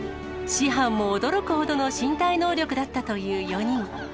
師範も驚くほどの身体能力だったという４人。